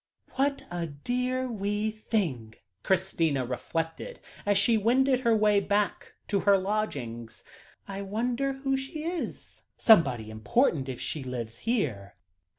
"What a dear wee thing!" Christina reflected, as she wended her way back to her lodgings. "I wonder who she is. Somebody important, if she lives here.